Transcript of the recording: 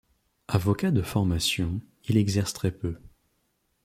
Avocat de formation, il exerce très peu.